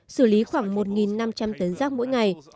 xử lý khoảng một năm trăm linh tấn rác mỗi ngày